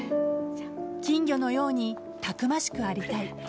金魚のようにたくましくありたい。